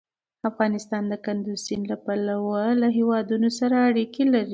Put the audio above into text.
افغانستان د کندز سیند له پلوه له هېوادونو سره اړیکې لري.